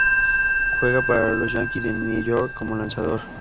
Juega para Los Yankees De New York como lanzador.